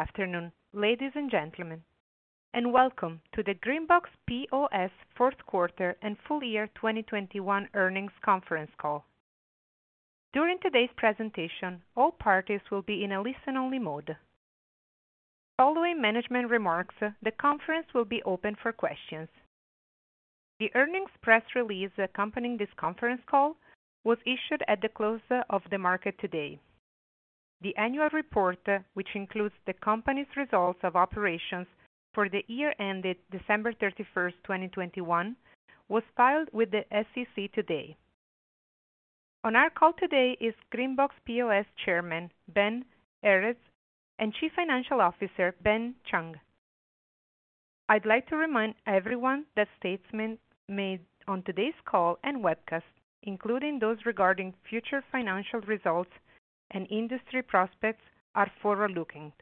Good afternoon, ladies and gentlemen, and welcome to the GreenBox POS fourth quarter and full year 2021 earnings conference call. During today's presentation, all parties will be in a listen-only mode. Following management remarks, the conference will be open for questions. The earnings press release accompanying this conference call was issued at the close of the market today. The annual report, which includes the company's results of operations for the year ended December 31st, 2021, was filed with the SEC today. On our call today is GreenBox POS Chairman, Ben Errez; and Chief Financial Officer, Ben Chung. I'd like to remind everyone that statements made on today's call and webcast, including those regarding future financial results and industry prospects, are forward-looking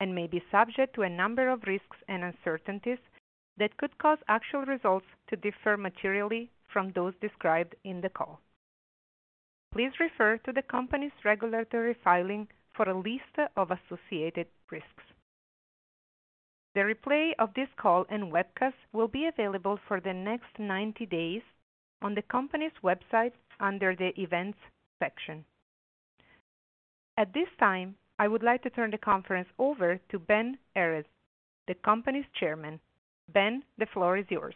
and may be subject to a number of risks and uncertainties that could cause actual results to differ materially from those described in the call. Please refer to the company's regulatory filing for a list of associated risks. The replay of this call and webcast will be available for the next 90 days on the company's website under the Events section. At this time, I would like to turn the conference over to Ben Errez, the company's Chairman. Ben, the floor is yours.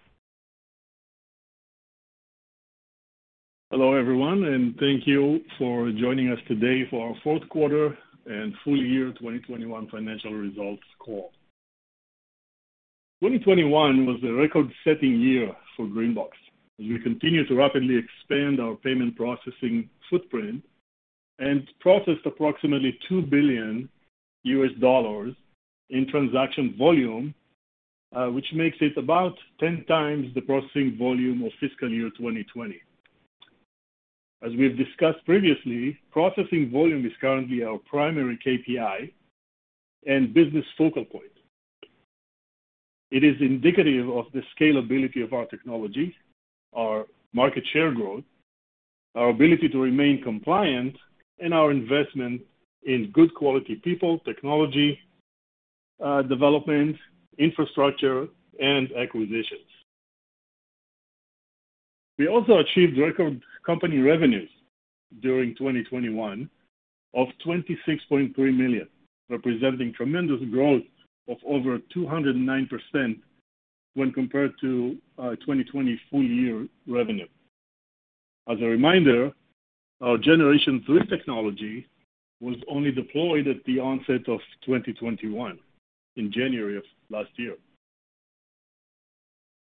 Hello, everyone, and thank you for joining us today for our fourth quarter and full year 2021 financial results call. 2021 was a record-setting year for GreenBox as we continue to rapidly expand our payment processing footprint and processed approximately $2 billion in transaction volume, which makes it about 10x the processing volume of fiscal year 2020. As we have discussed previously, processing volume is currently our primary KPI and business focal point. It is indicative of the scalability of our technology, our market share growth, our ability to remain compliant, and our investment in good quality people, technology, development, infrastructure, and acquisitions. We also achieved record company revenues during 2021 of $26.3 million, representing tremendous growth of over 209% when compared to our 2020 full-year revenue. As a reminder, our Generation Three technology was only deployed at the onset of 2021 in January of last year.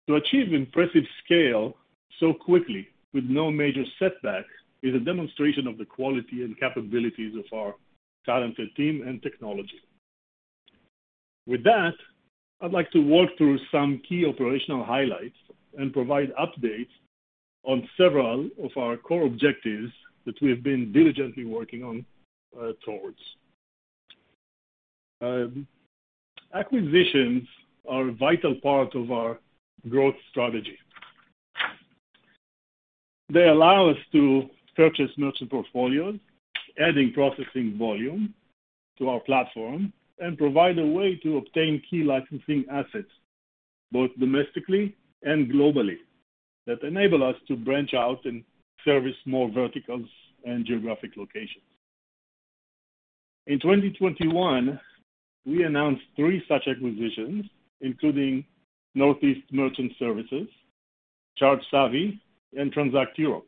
To achieve impressive scale so quickly with no major setbacks is a demonstration of the quality and capabilities of our talented team and technology. With that, I'd like to walk through some key operational highlights and provide updates on several of our core objectives that we have been diligently working on towards. Acquisitions are a vital part of our growth strategy. They allow us to purchase merchant portfolios, adding processing volume to our platform, and provide a way to obtain key licensing assets, both domestically and globally, that enable us to branch out and service more verticals and geographic locations. In 2021, we announced three such acquisitions, including Northeast Merchant Services, ChargeSavvy, and Transact Europe.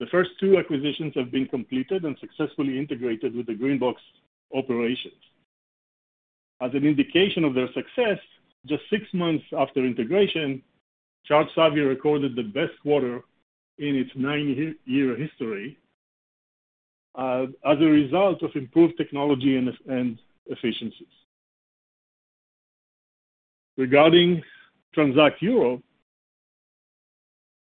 The first two acquisitions have been completed and successfully integrated with the GreenBox operations. As an indication of their success, just six months after integration, ChargeSavvy recorded the best quarter in its nine-year history, as a result of improved technology and efficiencies. Regarding Transact Europe,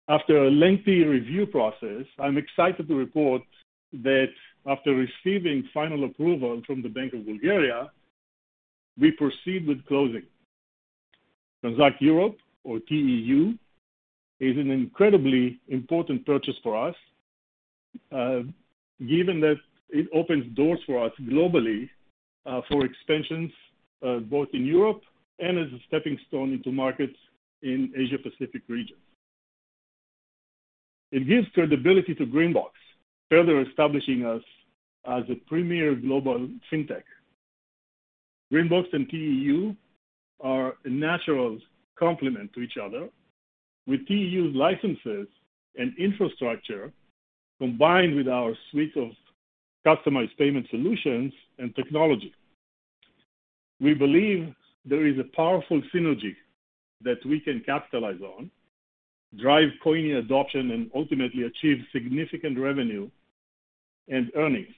after a lengthy review process, I'm excited to report that after receiving final approval from the Bulgarian National Bank, we proceed with closing. Transact Europe or TEU is an incredibly important purchase for us, given that it opens doors for us globally, for expansions, both in Europe and as a stepping stone into markets in Asia Pacific region. It gives credibility to GreenBox, further establishing us as a premier global fintech. GreenBox and TEU are a natural complement to each other with TEU licenses and infrastructure combined with our suite of customized payment solutions and technology. We believe there is a powerful synergy that we can capitalize on, drive Coyni adoption, and ultimately achieve significant revenue and earnings.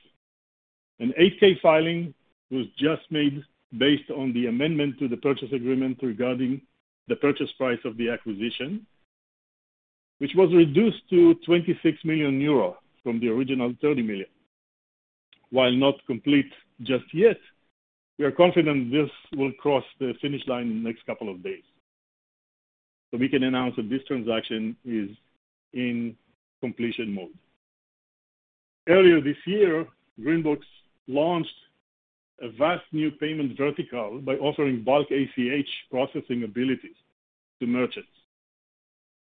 An 8-K filing was just made based on the amendment to the purchase agreement regarding the purchase price of the acquisition, which was reduced to 26 million euros from the original 30 million. While not complete just yet, we are confident this will cross the finish line in the next couple of days. We can announce that this transaction is in completion mode. Earlier this year, GreenBox launched a vast new payment vertical by offering bulk ACH processing abilities to merchants.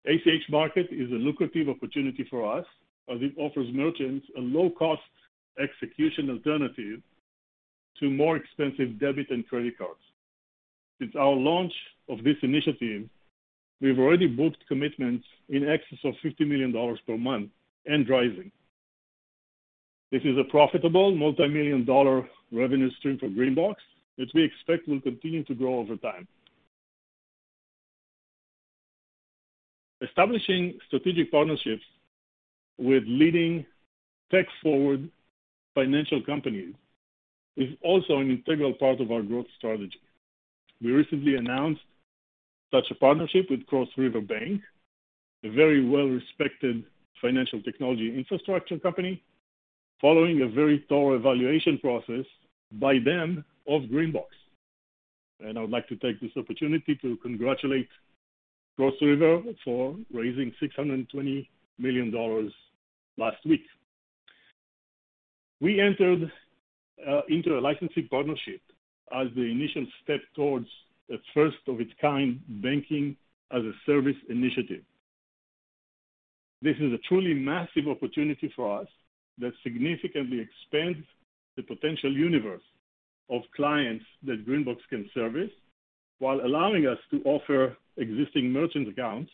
ACH market is a lucrative opportunity for us as it offers merchants a low-cost execution alternative to more expensive debit and credit cards. Since our launch of this initiative, we've already booked commitments in excess of $50 million per month and rising. This is a profitable multi-million dollar revenue stream for GreenBox, which we expect will continue to grow over time. Establishing strategic partnerships with leading tech-forward financial companies is also an integral part of our growth strategy. We recently announced such a partnership with Cross River Bank, a very well-respected financial technology infrastructure company, following a very thorough evaluation process by them of GreenBox. I would like to take this opportunity to congratulate Cross River for raising $620 million last week. We entered into a licensing partnership as the initial step towards a first-of-its-kind Banking-as-a-Service initiative. This is a truly massive opportunity for us that significantly expands the potential universe of clients that GreenBox can service while allowing us to offer existing merchant accounts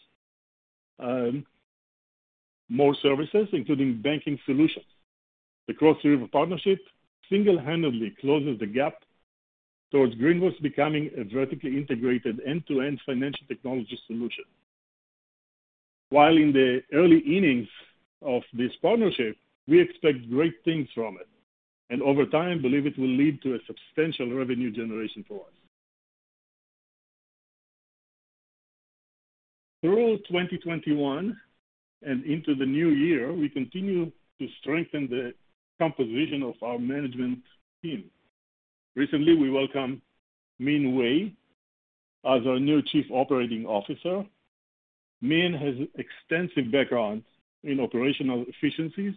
more services, including banking solutions. The Cross River partnership single-handedly closes the gap towards GreenBox becoming a vertically integrated end-to-end financial technology solution. While in the early innings of this partnership, we expect great things from it, and over time, believe it will lead to a substantial revenue generation for us. Through 2021 and into the New Year, we continue to strengthen the composition of our management team. Recently, we welcomed Min Wei as our new Chief Operating Officer. Min has extensive background in operational efficiencies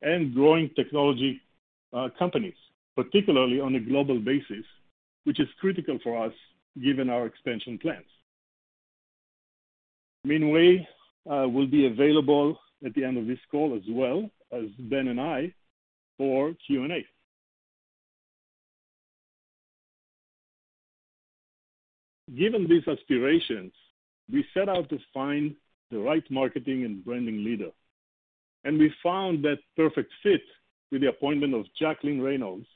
and growing technology companies, particularly on a global basis, which is critical for us given our expansion plans. Min Wei will be available at the end of this call, as well as Ben and I, for Q&A. Given these aspirations, we set out to find the right marketing and branding leader, and we found that perfect fit with the appointment of Jacqueline Reynolds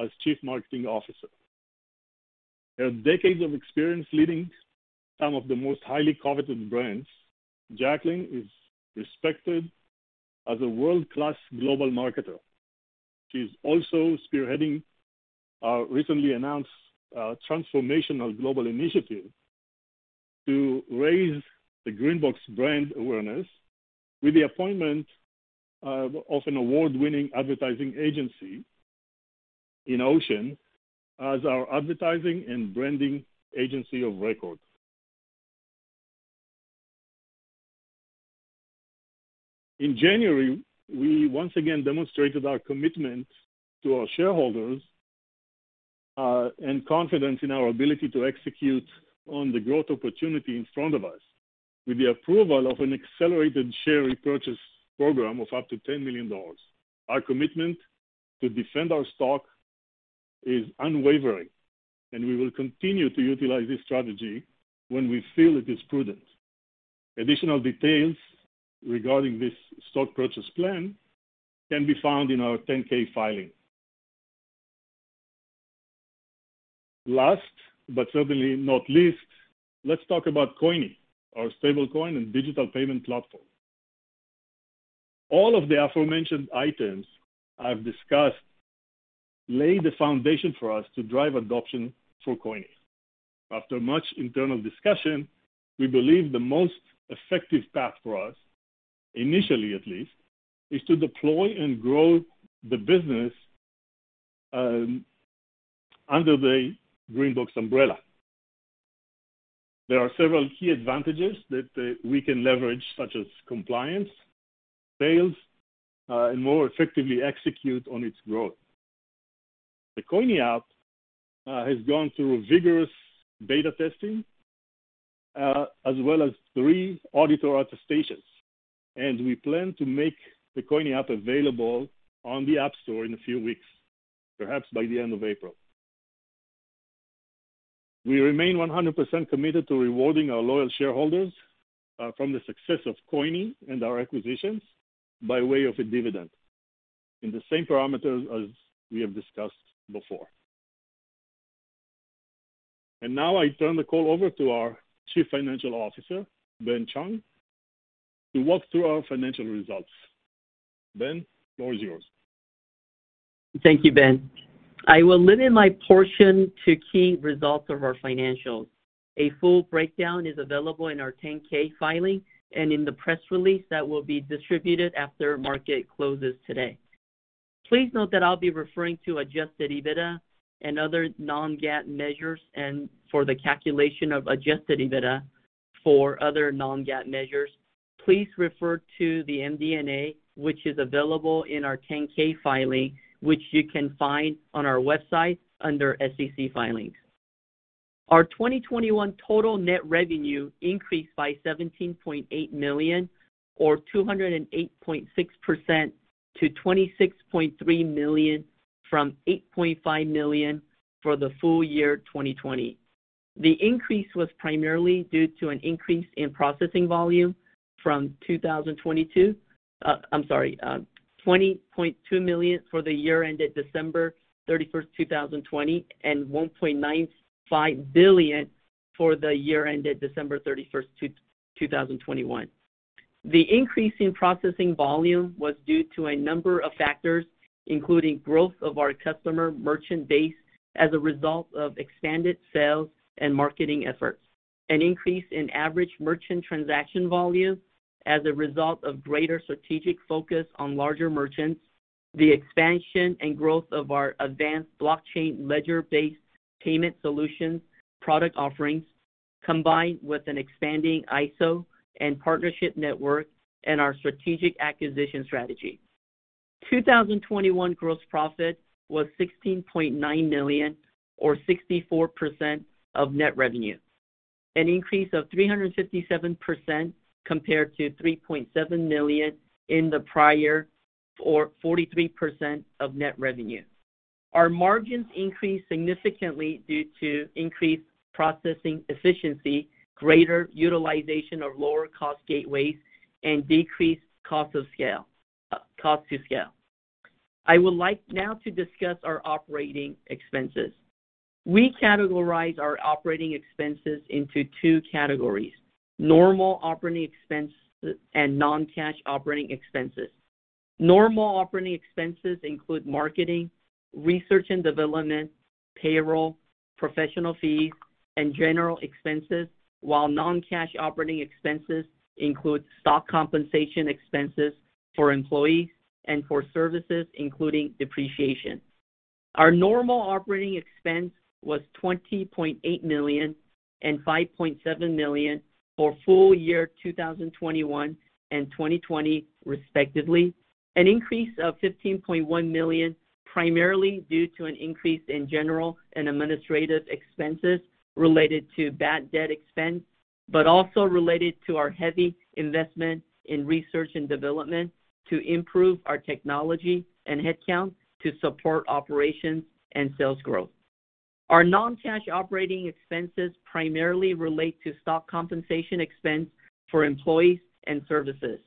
as Chief Marketing Officer. Her decades of experience leading some of the most highly coveted brands, Jacqueline is respected as a world-class global marketer. She's also spearheading our recently announced transformational global initiative to raise the GreenBox brand awareness with the appointment of an award-winning advertising agency INNOCEAN as our advertising and branding agency of record. In January, we once again demonstrated our commitment to our shareholders and confidence in our ability to execute on the growth opportunity in front of us with the approval of an accelerated share repurchase program of up to $10 million. Our commitment to defend our stock is unwavering, and we will continue to utilize this strategy when we feel it is prudent. Additional details regarding this stock purchase plan can be found in our 10-K filing. Last, but certainly not least, let's talk about Coyni, our stablecoin and digital payment platform. All of the aforementioned items I've discussed lay the foundation for us to drive adoption for Coyni. After much internal discussion, we believe the most effective path for us, initially at least, is to deploy and grow the business under the GreenBox umbrella. There are several key advantages that we can leverage, such as compliance, sales, and more effectively execute on its growth. The Coyni app has gone through vigorous beta testing as well as three auditor attestations, and we plan to make the Coyni app available on the App Store in a few weeks, perhaps by the end of April. We remain 100% committed to rewarding our loyal shareholders from the success of Coyni and our acquisitions by way of a dividend in the same parameters as we have discussed before. Now I turn the call over to our Chief Financial Officer, Ben Chung, to walk through our financial results. Ben, the floor is yours. Thank you, Ben. I will limit my portion to key results of our financials. A full breakdown is available in our 10-K filing and in the press release that will be distributed after market closes today. Please note that I'll be referring to Adjusted EBITDA and other non-GAAP measures. For the calculation of Adjusted EBITDA for other non-GAAP measures, please refer to the MD&A, which is available in our 10-K filing, which you can find on our website under SEC Filings. Our 2021 total net revenue increased by $17.8 million or 208.6% to $26.3 million from $8.5 million for the full year 2020. The increase was primarily due to an increase in processing volume from 2020. $20.2 million for the year ended December 31st, 2020, and $1.95 billion for the year ended December 31st, 2021. The increase in processing volume was due to a number of factors, including growth of our customer merchant base as a result of expanded sales and marketing efforts, an increase in average merchant transaction volume as a result of greater strategic focus on larger merchants, the expansion and growth of our advanced blockchain ledger-based payment solutions product offerings, combined with an expanding ISO and partnership network and our strategic acquisition strategy. 2021 gross profit was $16.9 million or 64% of net revenue, an increase of 357% compared to $3.7 million in the prior, or 43% of net revenue. Our margins increased significantly due to increased processing efficiency, greater utilization of lower cost gateways, and decreased cost of scale, cost to scale. I would like now to discuss our operating expenses. We categorize our operating expenses into two categories, normal operating expense and non-cash operating expenses. Normal operating expenses include marketing, research and development, payroll, professional fees, and general expenses. While non-cash operating expenses include stock compensation expenses for employees and for services including depreciation. Our normal operating expense was $20.8 million and $5.7 million for full year 2021 and 2020 respectively, an increase of $15.1 million primarily due to an increase in general and administrative expenses related to bad debt expense, but also related to our heavy investment in research and development to improve our technology and headcount to support operations and sales growth. Our non-cash operating expenses primarily relate to stock compensation expense for employees and services.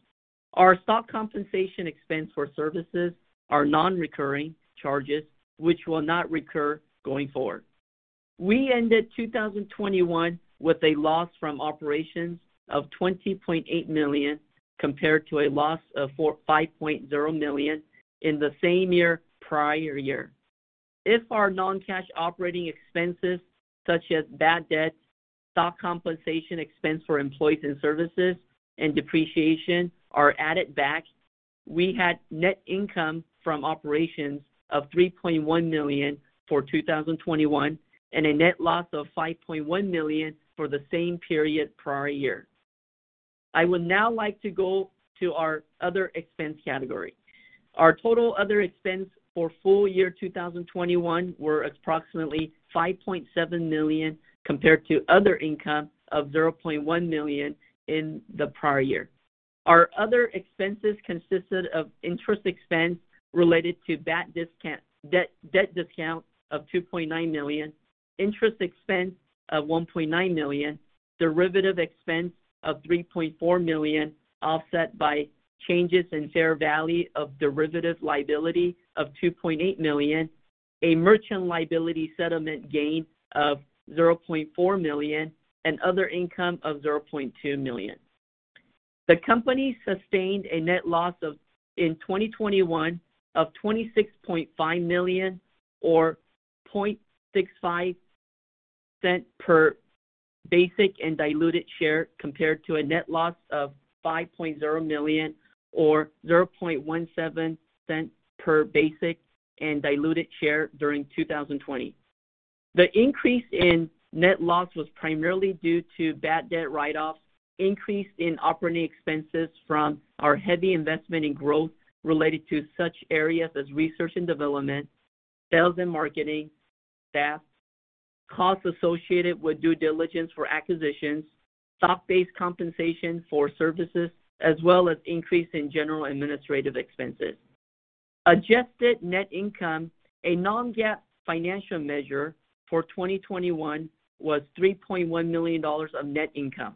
Our stock compensation expense for services are non-recurring charges which will not recur going forward. We ended 2021 with a loss from operations of $20.8 million, compared to a loss of $5.0 million in the same year, prior year. If our non-cash operating expenses such as bad debt, stock compensation expense for employees and services and depreciation are added back, we had net income from operations of $3.1 million for 2021 and a net loss of $5.1 million for the same period prior year. I would now like to go to our other expense category. Our total other expense for full year 2021 was approximately $5.7 million, compared to other income of $0.1 million in the prior year. Our other expenses consisted of interest expense related to debt discount of $2.9 million, interest expense of $1.9 million, derivative expense of $3.4 million, offset by changes in fair value of derivative liability of $2.8 million, a merchant liability settlement gain of $0.4 million and other income of $0.2 million. The company sustained a net loss in 2021 of $26.5 million or $0.65 per basic and diluted share, compared to a net loss of $5.0 million or $0.17 per basic and diluted share during 2020. The increase in net loss was primarily due to bad debt write-offs, increase in operating expenses from our heavy investment in growth related to such areas as research and development, sales and marketing, staff, costs associated with due diligence for acquisitions, stock-based compensation for services, as well as increase in general administrative expenses. Adjusted net income, a non-GAAP financial measure for 2021, was $3.1 million of net income.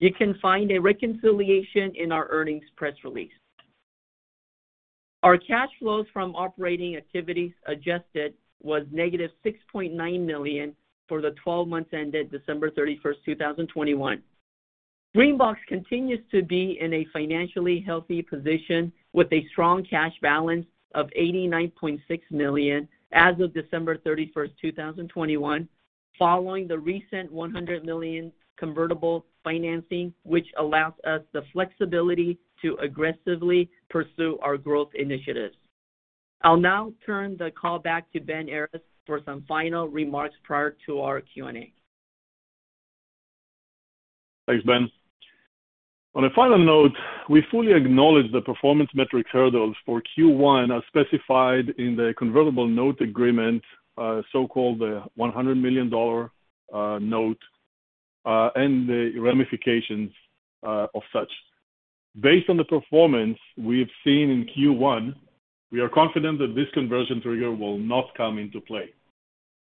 You can find a reconciliation in our earnings press release. Our cash flows from operating activities adjusted was $-6.9 million for the 12 months ended December 31st, 2021. GreenBox continues to be in a financially healthy position with a strong cash balance of $89.6 million as of December 31st, 2021. Following the recent $100 million convertible financing, which allows us the flexibility to aggressively pursue our growth initiatives. I'll now turn the call back to Ben Errez for some final remarks prior to our Q&A. Thanks, Ben. On a final note, we fully acknowledge the performance metric hurdles for Q1 as specified in the convertible note agreement, so-called the $100 million note, and the ramifications of such. Based on the performance we have seen in Q1, we are confident that this conversion trigger will not come into play.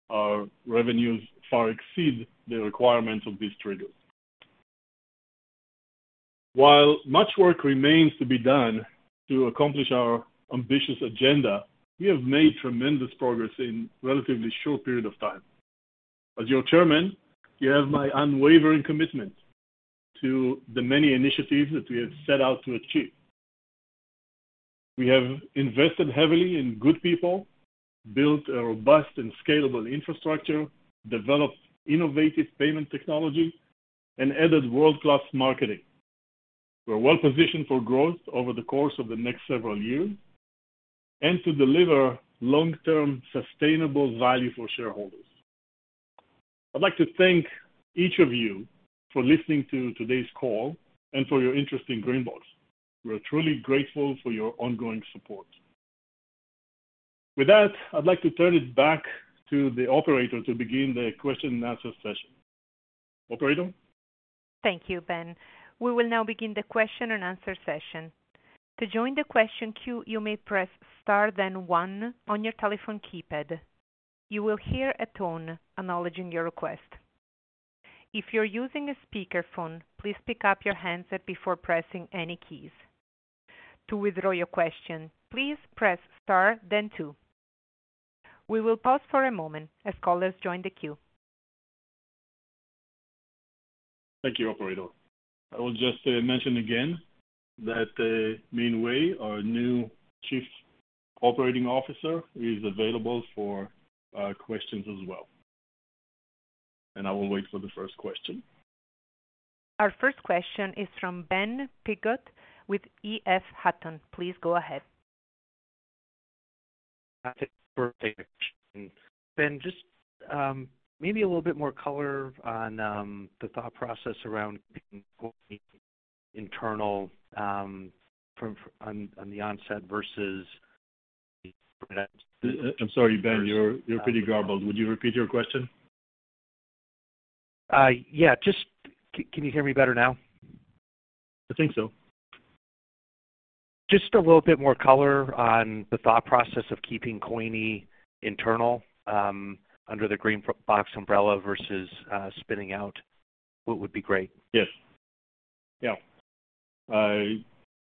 Our revenues far exceed the requirements of this trigger. While much work remains to be done to accomplish our ambitious agenda, we have made tremendous progress in relatively short period of time. As your Chairman, you have my unwavering commitment to the many initiatives that we have set out to achieve. We have invested heavily in good people, built a robust and scalable infrastructure, developed innovative payment technology, and added world-class marketing. We're well-positioned for growth over the course of the next several years and to deliver long-term sustainable value for shareholders. I'd like to thank each of you for listening to today's call and for your interest in GreenBox. We are truly grateful for your ongoing support. With that, I'd like to turn it back to the operator to begin the question and answer session. Operator? Thank you, Ben. We will now begin the question and answer session. To join the question queue, you may press star then one on your telephone keypad. You will hear a tone acknowledging your request. If you're using a speakerphone, please pick up your handset before pressing any keys. To withdraw your question, please press star then two. We will pause for a moment as callers join the queue. Thank you, operator. I will just mention again that Min Wei, our new Chief Operating Officer, is available for questions as well. I will wait for the first question. Our first question is from Ben Piggott with EF Hutton. Please go ahead. Ben, just maybe a little bit more color on the thought process around going internal from the onset versus I'm sorry, Ben, you're pretty garbled. Would you repeat your question? Yeah. Can you hear me better now? I think so. Just a little bit more color on the thought process of keeping Coyni internal under the GreenBox umbrella versus spinning out would be great. Yes.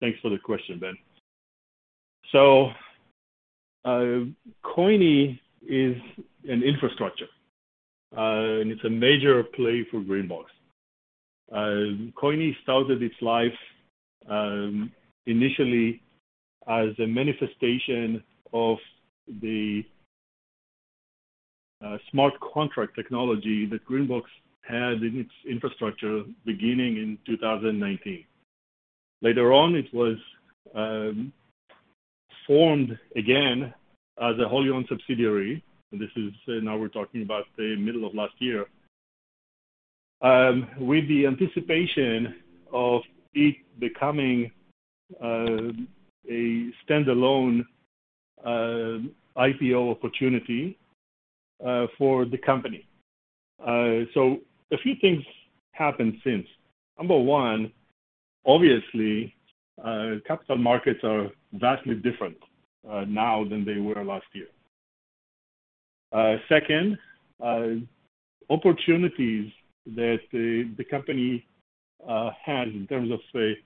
Thanks for the question, Ben. Coyni is an infrastructure, and it's a major play for GreenBox. Coyni started its life, initially as a manifestation of the, smart contract technology that GreenBox had in its infrastructure beginning in 2019. Later on, it was, formed again as a wholly owned subsidiary, and this is now we're talking about the middle of last year, with the anticipation of it becoming, a standalone, IPO opportunity, for the company. A few things happened since. Number one, obviously, capital markets are vastly different, now than they were last year. Second, opportunities that the company had in terms of, say,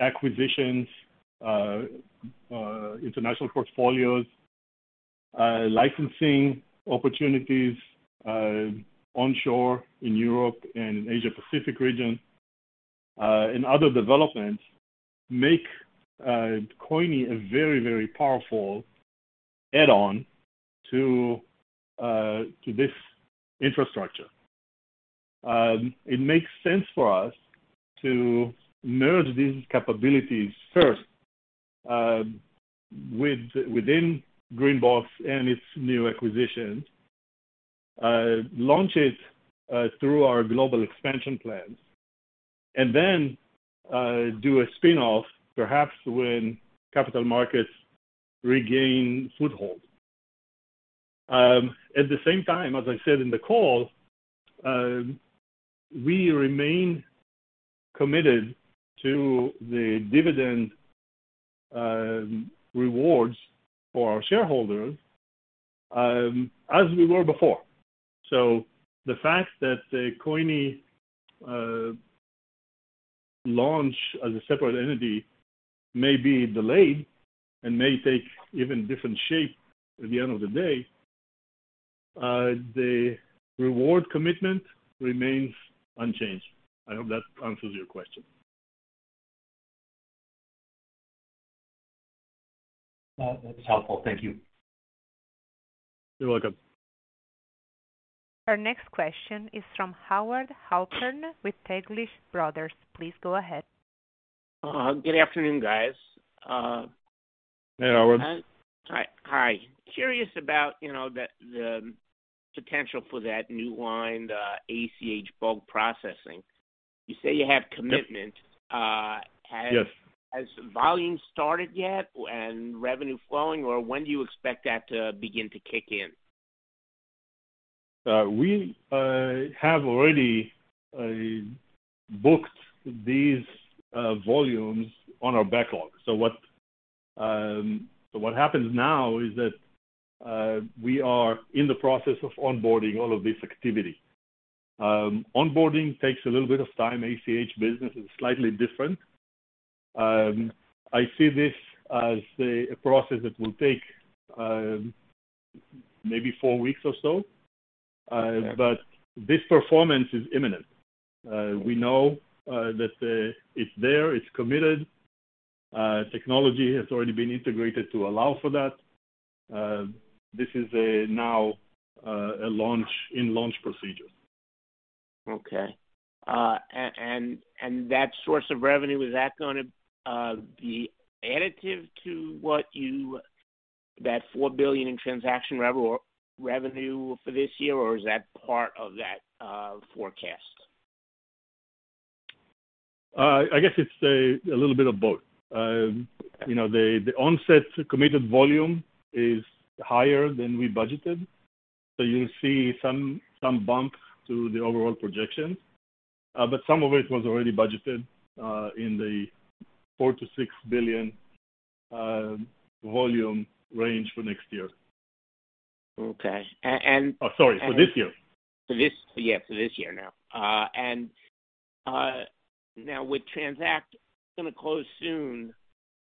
acquisitions, international portfolios, licensing opportunities, onshore in Europe and Asia-Pacific region, and other developments make Coyni a very, very powerful add-on to this infrastructure. It makes sense for us to merge these capabilities first, within GreenBox and its new acquisitions, launch it through our global expansion plans, and then do a spin-off, perhaps when capital markets regain foothold. At the same time, as I said in the call, we remain committed to the dividend rewards for our shareholders, as we were before. The fact that the Coyni launch as a separate entity may be delayed and may take even different shape at the end of the day, the reward commitment remains unchanged. I hope that answers your question. That's helpful. Thank you. You're welcome. Our next question is from Howard Halpern with Taglich Brothers. Please go ahead. Good afternoon, guys. Hey, Howard. Hi. Hi. Curious about, you know, the potential for that new line, ACH bulk processing. You say you have commitment. Yes. Has volume started yet and revenue flowing, or when do you expect that to begin to kick in? We have already booked these volumes on our backlog. What happens now is that we are in the process of onboarding all of this activity. Onboarding takes a little bit of time. ACH business is slightly different. I see this as a process that will take maybe four weeks or so. This performance is imminent. We know that it's there, it's committed. Technology has already been integrated to allow for that. This is now a launch procedure. Okay. That source of revenue, is that gonna be additive to that $4 billion in transaction revenue for this year, or is that part of that forecast? I guess it's a little bit of both. You know, the onset committed volume is higher than we budgeted. You'll see some bump to the overall projection, but some of it was already budgeted in the $4 billion-$6 billion volume range for next year. Okay. Oh, sorry, for this year. Yeah, for this year now. Now with Transact gonna close soon,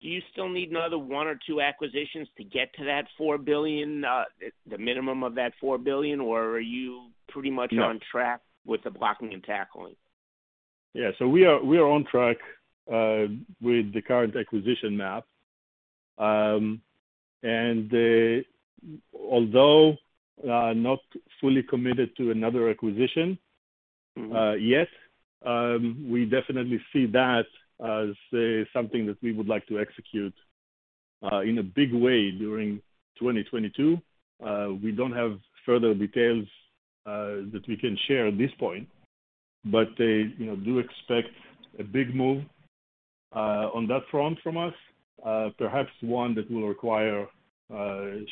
do you still need another one or two acquisitions to get to that $4 billion, the minimum of that $4 billion, or are you pretty much on track with the blocking and tackling? Yeah. We are on track with the current acquisition map. Although not fully committed to another acquisition, yes, we definitely see that as something that we would like to execute in a big way during 2022. We don't have further details that we can share at this point, but you know, do expect a big move on that front from us, perhaps one that will require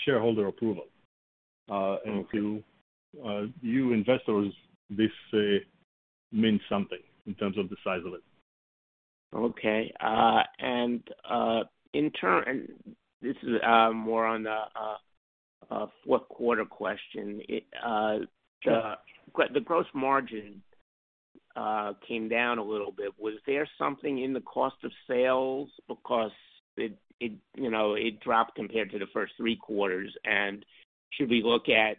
shareholder approval to you investors, this means something in terms of the size of it. Okay. This is more on a fourth quarter question. The gross margin came down a little bit. Was there something in the cost of sales? Because it, you know, dropped compared to the first three quarters. Should we look at,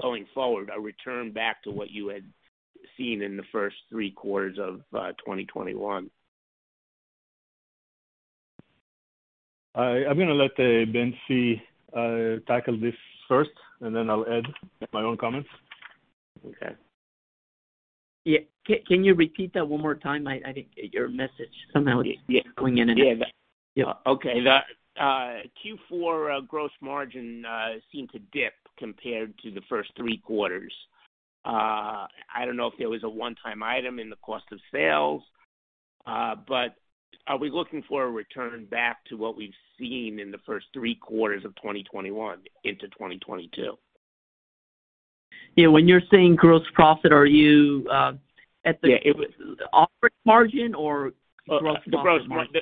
going forward, a return back to what you had seen in the first three quarters of 2021? I'm gonna let Ben Chung tackle this first, and then I'll add my own comments. Okay. Yeah. Can you repeat that one more time? I think your message somehow is going in and out. Yeah. Okay. The Q4 gross margin seemed to dip compared to the first three quarters. I don't know if there was a one-time item in the cost of sales, but are we looking for a return back to what we've seen in the first three quarters of 2021 into 2022? Yeah. When you're saying gross profit, are you at. Yeah. It was the operating margin or gross margin?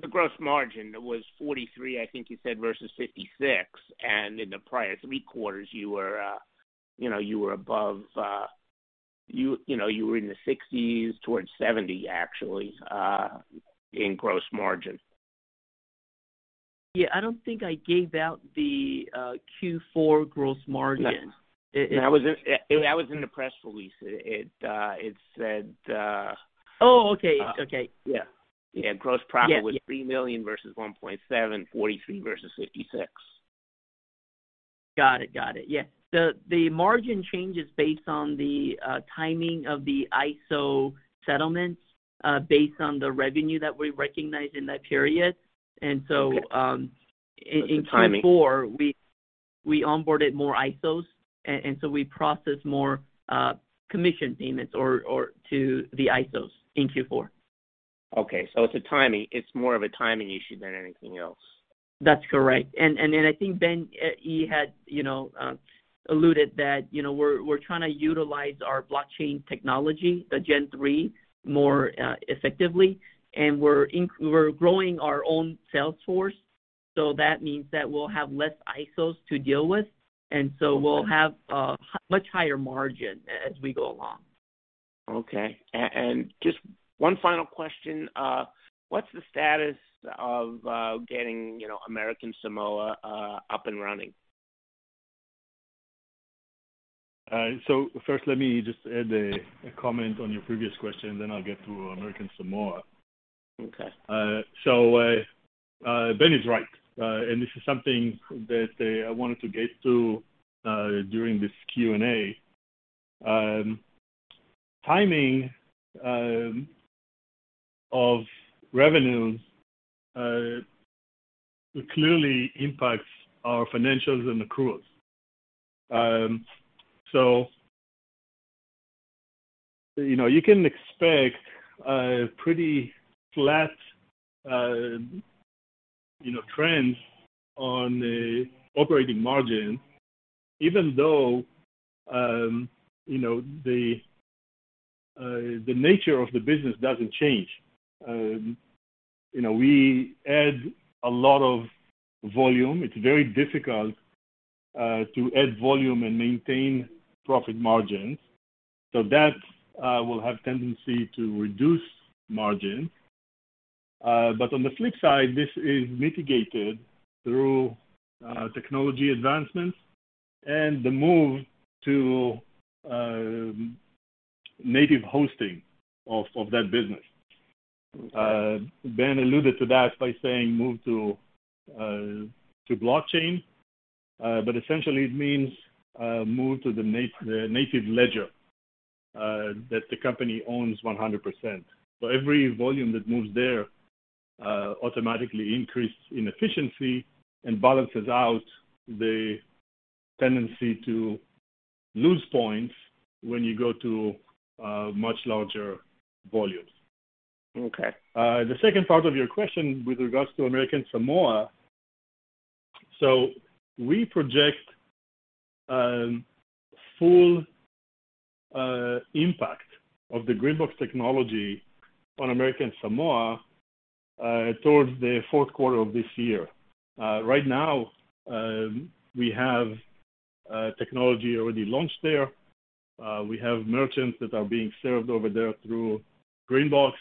The gross margin was 43%, I think you said, versus 56%, and in the prior three quarters, you know, you were above, you know, you were in the 60% toward 70% actually, in gross margin. Yeah. I don't think I gave out the Q4 gross margin. Yeah. That was in the press release. It said. Oh, okay. Okay. Yeah, gross profit. Yeah. was $3 million versus $1.7 million, 43% versus 56%. Got it. Yeah. The margin change is based on the timing of the ISO settlements based on the revenue that we recognize in that period. Okay. That's the timing. In Q4, we onboarded more ISOs, and so we processed more commission payments or to the ISOs in Q4. Okay. It's a timing. It's more of a timing issue than anything else. That's correct. I think Ben Errez had you know alluded that you know we're trying to utilize our blockchain technology, the Gen Three, more effectively, and we're growing our own salesforce, so that means that we'll have less ISOs to deal with. We'll have a much higher margin as we go along. Just one final question. What's the status of getting, you know, American Samoa up and running? First let me just add a comment on your previous question, then I'll get to American Samoa. Okay. Ben is right. This is something that I wanted to get to during this Q&A. Timing of revenue clearly impacts our financials and accruals. You know, you can expect a pretty flat, you know, trends on the operating margin even though, you know, the nature of the business doesn't change. You know, we add a lot of volume. It's very difficult to add volume and maintain profit margins. That will have tendency to reduce margin. On the flip side, this is mitigated through technology advancements and the move to native hosting of that business. Ben alluded to that by saying move to blockchain. Essentially it means move to the native ledger that the company owns 100%. Every volume that moves there automatically increases in efficiency and balances out the tendency to lose points when you go to much larger volumes. Okay. The second part of your question with regards to American Samoa, we project full impact of the GreenBox technology on American Samoa towards the fourth quarter of this year. Right now we have technology already launched there. We have merchants that are being served over there through GreenBox.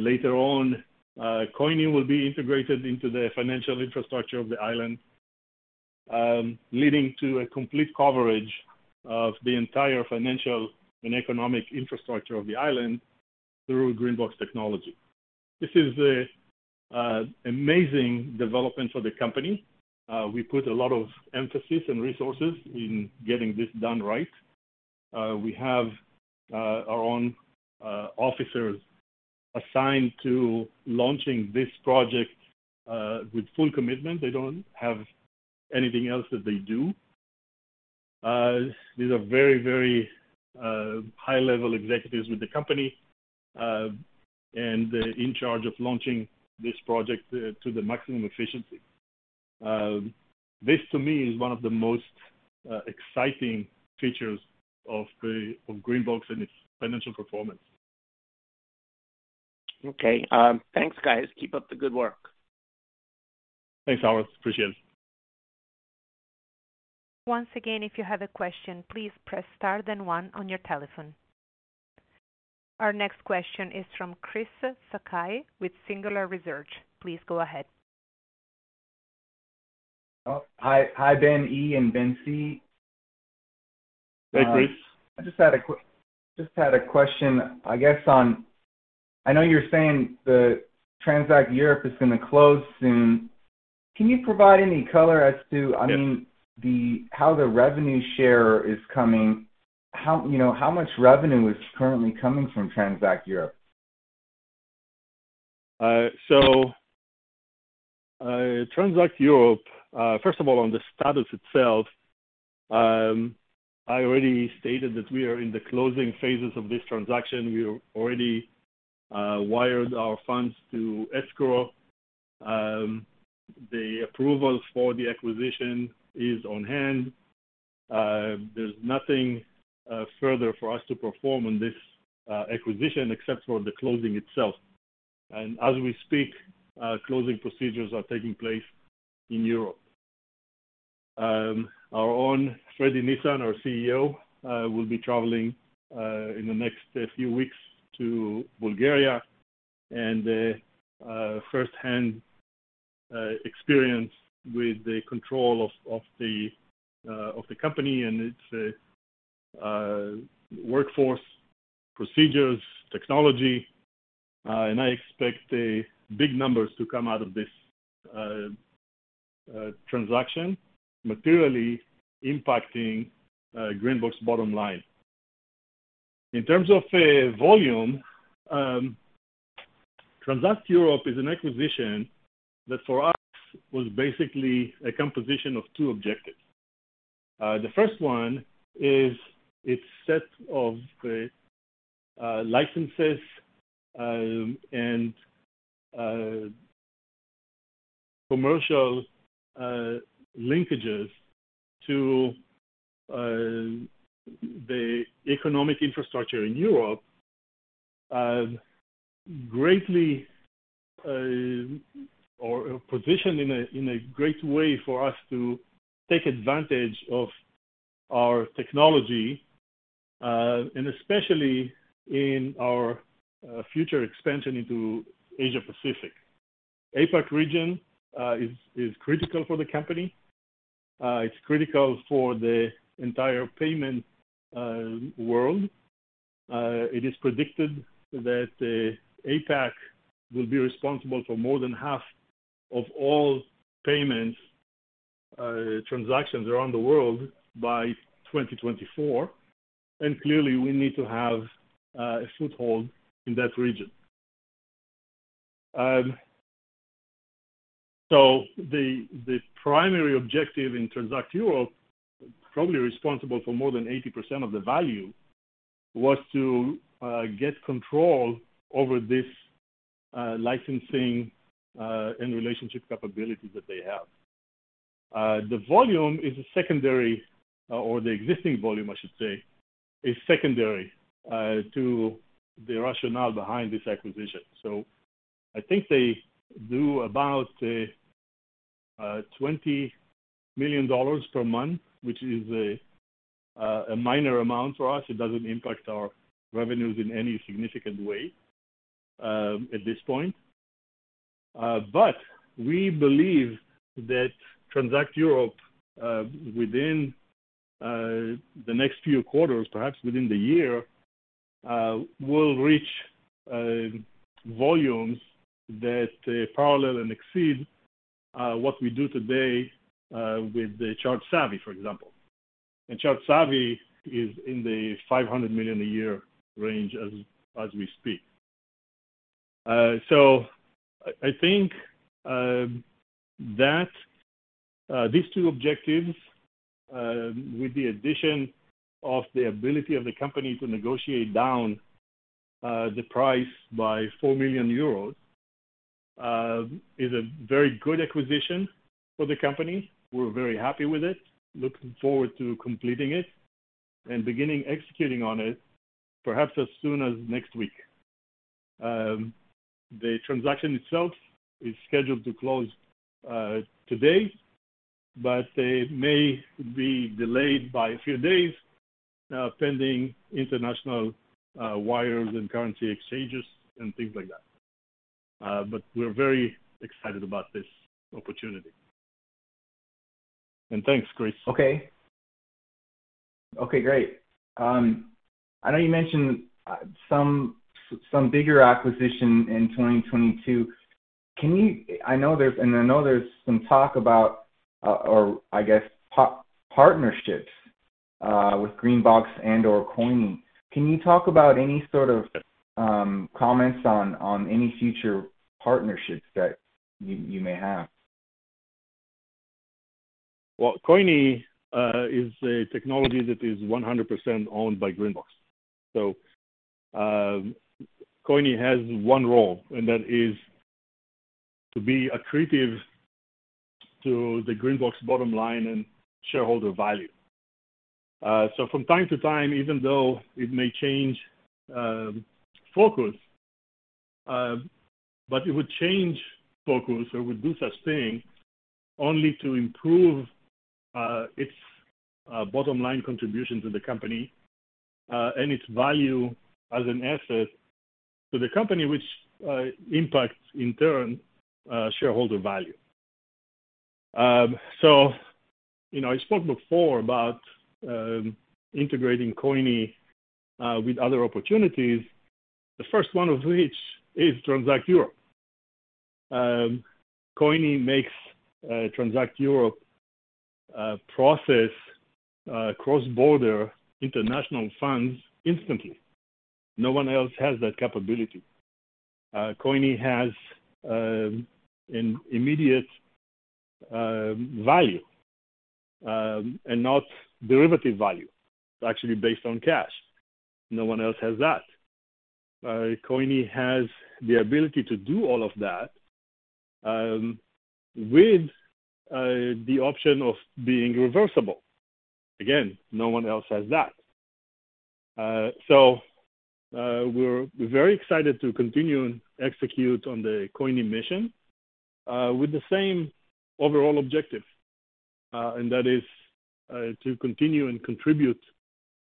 Later on, Coyni will be integrated into the financial infrastructure of the island, leading to a complete coverage of the entire financial and economic infrastructure of the island through GreenBox technology. This is an amazing development for the company. We put a lot of emphasis and resources in getting this done right. We have our own officers assigned to launching this project with full commitment. They don't have anything else that they do. These are very high-level executives with the company, and they're in charge of launching this project to the maximum efficiency. This to me is one of the most exciting features of the GreenBox and its financial performance. Okay. Thanks guys. Keep up the good work. Thanks, Howard. Appreciate it. Once again, if you have a question, please press star then one on your telephone. Our next question is from Chris Sakai with Singular Research. Please go ahead. Oh, hi, Ben E. and Ben C. Hey, Chris. I just had a question, I guess, on, I know you're saying that Transact Europe is gonna close soon. Can you provide any color as to. Yes. I mean, how the revenue share is coming? How, you know, how much revenue is currently coming from Transact Europe? Transact Europe, first of all, on the status itself, I already stated that we are in the closing phases of this transaction. We already wired our funds to escrow. The approval for the acquisition is on hand. There's nothing further for us to perform on this acquisition except for the closing itself. As we speak, closing procedures are taking place in Europe. Our own Fredi Nisan, our CEO, will be traveling in the next few weeks to Bulgaria and firsthand experience with the control of the company and its workforce, procedures, technology. I expect big numbers to come out of this transaction, materially impacting GreenBox bottom line. In terms of volume, Transact Europe is an acquisition that for us was basically a composition of two objectives. The first one is its set of licenses and commercial linkages to the economic infrastructure in Europe, greatly positioned in a great way for us to take advantage of our technology and especially in our future expansion into Asia Pacific. APAC region is critical for the company. It's critical for the entire payment world. It is predicted that APAC will be responsible for more than half of all payments transactions around the world by 2024. Clearly, we need to have a foothold in that region. The primary objective in Transact Europe, probably responsible for more than 80% of the value, was to get control over this licensing and relationship capability that they have. The volume is a secondary, or the existing volume I should say, is secondary to the rationale behind this acquisition. I think they do about $20 million per month, which is a minor amount for us. It doesn't impact our revenues in any significant way at this point. We believe that Transact Europe, within the next few quarters, perhaps within the year, will reach volumes that parallel and exceed what we do today with the ChargeSavvy, for example. ChargeSavvy is in the $500 million a year range as we speak. I think that these two objectives with the addition of the ability of the company to negotiate down the price by 4 million euros is a very good acquisition for the company. We're very happy with it. Looking forward to completing it and beginning executing on it perhaps as soon as next week. The transaction itself is scheduled to close today, but it may be delayed by a few days pending international wires and currency exchanges and things like that. We're very excited about this opportunity. Thanks, Chris. Okay, great. I know you mentioned some bigger acquisition in 2022. I know there's some talk about, or I guess partnerships, with GreenBox and/or Coyni. Can you talk about any sort of comments on any future partnerships that you may have? Well, Coyni is a technology that is 100% owned by GreenBox. Coyni has one role, and that is to be accretive to the GreenBox bottom line and shareholder value. From time to time, even though it may change focus, it would change focus or would do such thing only to improve its bottom line contribution to the company and its value as an asset to the company which impacts in turn shareholder value. You know, I spoke before about integrating Coyni with other opportunities. The first one of which is Transact Europe. Coyni makes Transact Europe process cross-border international funds instantly. No one else has that capability. Coyni has an immediate value and not derivative value. It's actually based on cash. No one else has that. Coyni has the ability to do all of that, with the option of being reversible. Again, no one else has that. We're very excited to continue and execute on the Coyni mission, with the same overall objective, and that is to continue and contribute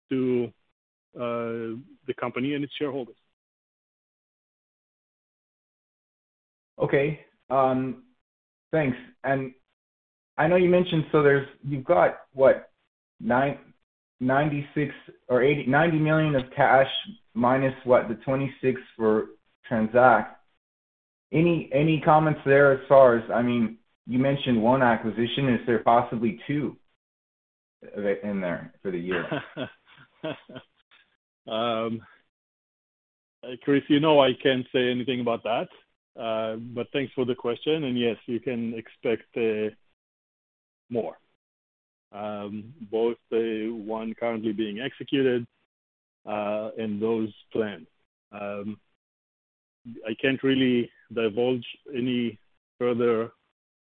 to the company and its shareholders. Okay. Thanks. I know you mentioned, so there's. You've got what? $96 million or $89 million of cash minus what? The 26 million for Transact. Any comments there as far as, I mean, you mentioned one acquisition. Is there possibly two in there for the year? Chris, you know I can't say anything about that. Thanks for the question. Yes, you can expect more, both the one currently being executed and those planned. I can't really divulge any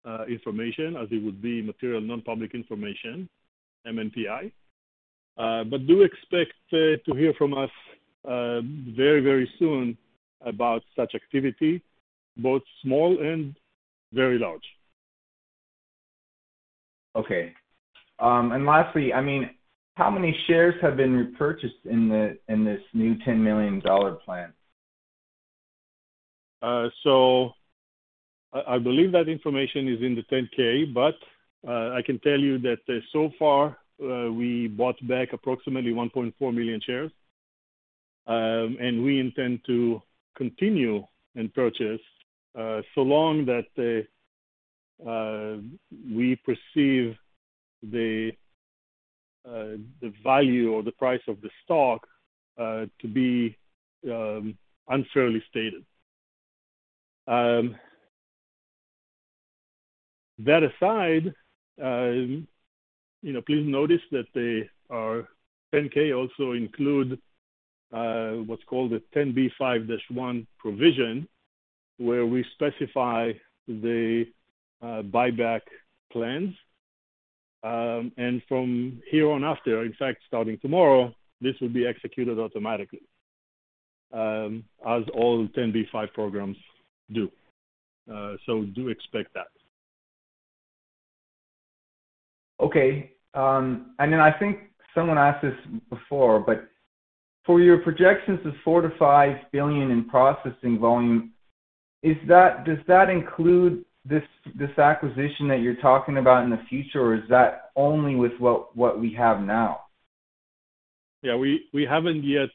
further information as it would be Material Nonpublic Information, MNPI. Do expect to hear from us very, very soon about such activity, both small and very large. Okay. Lastly, I mean, how many shares have been repurchased in this new $10 million plan? I believe that information is in the 10-K, but I can tell you that so far, we bought back approximately 1.4 million shares. We intend to continue and purchase so long that we perceive the value or the price of the stock to be unfairly stated. That aside, you know, please notice that our 10-K also include what's called a 10b5-1 provision, where we specify the buyback plans. From here on after, in fact starting tomorrow, this will be executed automatically as all 10b5 programs do. Do expect that. I think someone asked this before, but for your projections of $4 billion-$5 billion in processing volume, does that include this acquisition that you're talking about in the future, or is that only with what we have now? Yeah, we haven't yet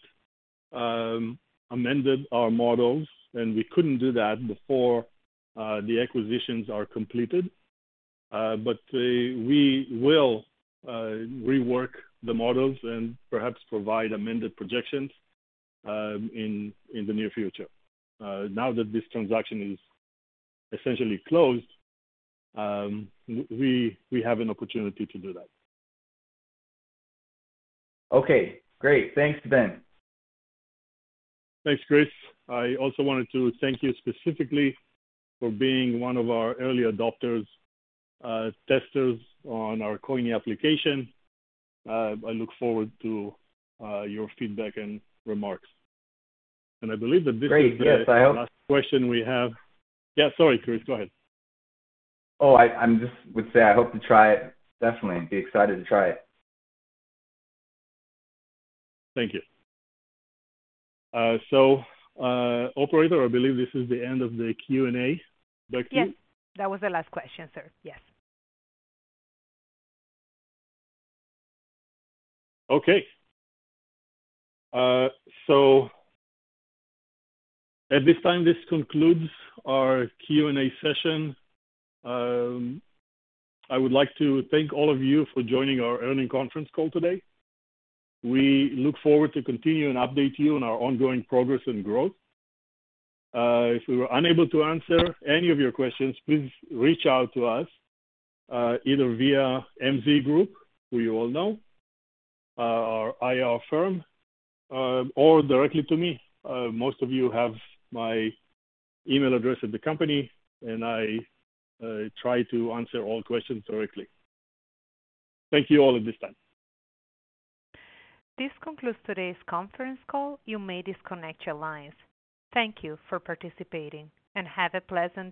amended our models, and we couldn't do that before the acquisitions are completed. We will rework the models and perhaps provide amended projections in the near future. Now that this transaction is essentially closed, we have an opportunity to do that. Okay, great. Thanks, Ben. Thanks, Chris. I also wanted to thank you specifically for being one of our early adopters, testers on our Coyni application. I look forward to your feedback and remarks. I believe that this is the- Great. Yes, I hope. Last question we have. Yeah, sorry, Chris, go ahead. I would just say I hope to try it, definitely, and be excited to try it. Thank you. Operator, I believe this is the end of the Q&A. Thank you. Yes. That was the last question, sir. Yes. Okay. At this time, this concludes our Q&A session. I would like to thank all of you for joining our earnings conference call today. We look forward to continue and update you on our ongoing progress and growth. If we were unable to answer any of your questions, please reach out to us, either via MZ Group, who you all know, our IR firm, or directly to me. Most of you have my email address at the company, and I try to answer all questions directly. Thank you all at this time. This concludes today's conference call. You may disconnect your lines. Thank you for participating, and have a pleasant day.